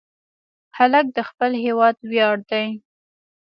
هلک د خپل هېواد ویاړ دی.